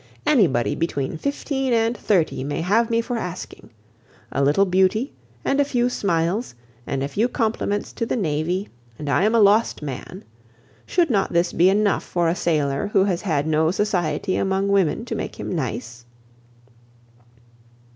Anybody between fifteen and thirty may have me for asking. A little beauty, and a few smiles, and a few compliments to the navy, and I am a lost man. Should not this be enough for a sailor, who has had no society among women to make him nice?"